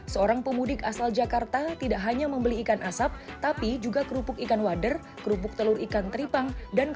seorang pemudik asal jakarta tidak hanya membeli ikan asap tapi juga kerupuk ikan wader kerupuk telur ikan tripang